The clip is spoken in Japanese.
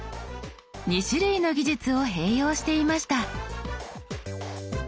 ２種類の技術を併用していました。